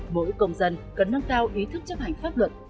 mỗi công dân cần nâng cao ý thức chấp hành pháp luật